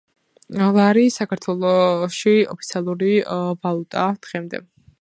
ლარი საქართველოში ოფიციალური ვალუტაა დღემდე